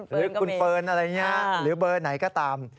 หรือคุณเฟิร์นอะไรอย่างนี้หรือเบอร์ไหนก็ตาม